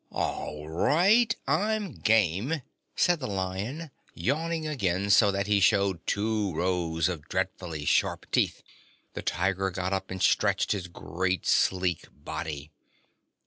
"All right; I'm game," said the Lion, yawning again so that he showed two rows of dreadfully sharp teeth. The Tiger got up and stretched his great, sleek body.